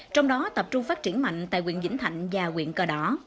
trong đó tập trung phát triển mạnh tại quyện vĩnh thạnh và quyện cờ đỏ